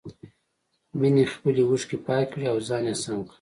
مينې خپلې اوښکې پاکې کړې او ځان يې سم کړ.